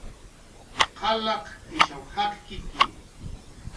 Qalaq ishaw jakkitxi